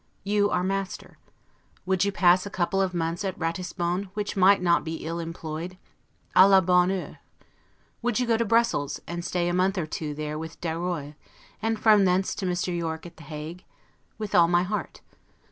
You are master. Would you pass a couple of months at Ratisbon, which might not be ill employed? 'A la bonne heure'. Would you go to Brussels, stay a month or two there with Dayrolles, and from thence to Mr. Yorke, at The Hague? With all my heart.